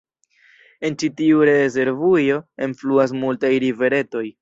En ĉi tiu rezervujo enfluas multaj riveretoj.